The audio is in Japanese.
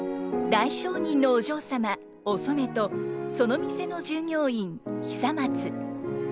大商人のお嬢様お染とその店の従業員久松。